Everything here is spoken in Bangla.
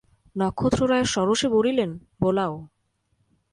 নক্ষত্ররায় সরোষে বলিলেন, বোলাও।